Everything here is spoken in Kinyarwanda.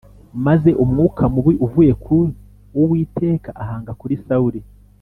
Maze umwuka mubi uvuye ku Uwiteka ahanga kuri Sawuli.